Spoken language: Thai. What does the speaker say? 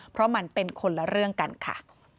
เพราะมันเป็นคนละเรื่องกันค่ะ